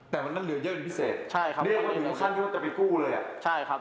แต่วันนั้นเหลือเยอะอย่างพิเศษเรื่องถึงขั้นต้องไปกู้เลยอ่ะใช่ครับ